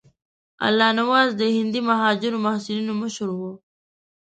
الله نواز د هندي مهاجرو محصلینو مشر وو.